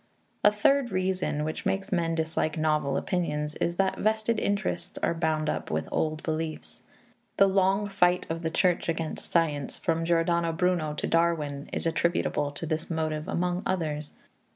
A third reason which makes men dislike novel opinions is that vested interests are bound up with old beliefs. The long fight of the church against science, from Giordano Bruno to Darwin, is attributable to this motive among others.